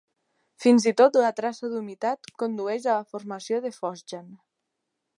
Fins i tot la traça d'humitat condueix a la formació de fosgen.